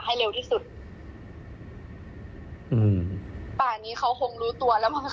ให้เร็วที่สุดอืมป่านี้เขาคงรู้ตัวแล้วมั้ง